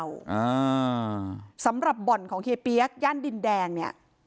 อ่าสำหรับบ่อนของเฮียเปี๊ยกย่านดินแดงเนี่ย